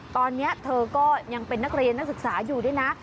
ตอนนี้เธอก็ยังเป็นนักเรียนนักศึกษาอยู่ด้วยนะ